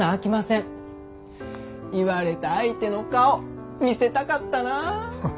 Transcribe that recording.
言われた相手の顔見せたかったなぁ。